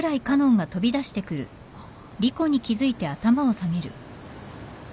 あっ。